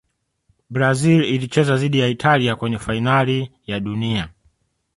brazil ilicheza dhidi ya italia kwenye fainali ya dunia